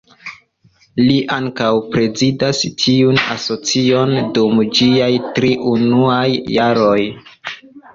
Li ankaŭ prezidas tiun asocion dum ĝiaj tri unuaj jaroj.